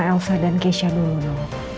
kenapa dihentikan aja